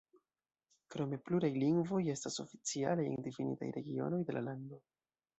Krome pluraj lingvoj estas oficialaj en difinitaj regionoj de la lando.